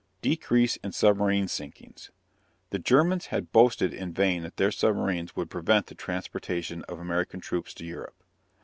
DECREASE IN SUBMARINE SINKINGS. The Germans had boasted in vain that their submarines would prevent the transportation of American troops to Europe.